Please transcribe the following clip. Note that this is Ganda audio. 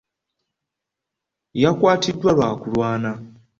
Yakwatiddwa lwa kulwana.